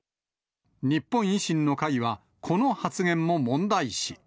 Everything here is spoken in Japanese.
日本維新の会は、この発言も問題視。